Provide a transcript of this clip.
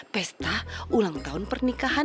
pesta ulang tahun pernikahan